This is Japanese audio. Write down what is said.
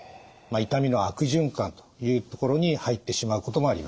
痛みの悪循環というところに入ってしまうこともあります。